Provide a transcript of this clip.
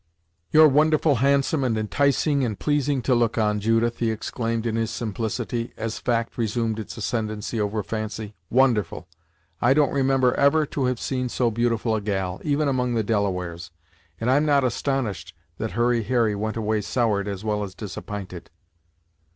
"You're wonderful handsome, and enticing, and pleasing to look on, Judith!" he exclaimed, in his simplicity, as fact resumed its ascendency over fancy. "Wonderful! I don't remember ever to have seen so beautiful a gal, even among the Delawares; and I'm not astonished that Hurry Harry went away soured as well as disapp'inted!"